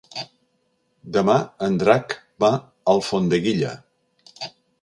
Demà en Drac va a Alfondeguilla.